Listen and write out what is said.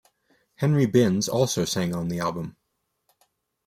Henry Binns also sang on the album.